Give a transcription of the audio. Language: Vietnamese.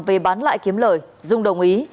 về bán lại kiếm lợi dung đồng ý